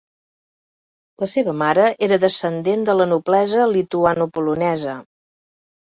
La seva mare era descendent de la noblesa lituanopolonesa.